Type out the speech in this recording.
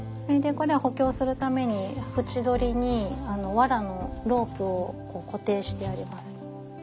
それでこれは補強するために縁取りにわらのロープを固定してあります。